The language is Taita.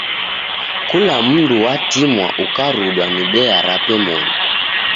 Kula mundu watimwa ukarudwa ni bea rape moni.